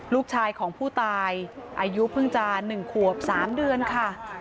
ลูกชายของผู้ตายอายุเพิ่งจะ๑ขวบ๓เดือนค่ะ